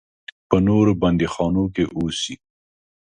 په نورو بندیخانو کې اوسي.